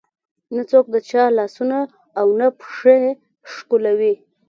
نه څوک د چا لاسونه او نه پښې ښکلوي.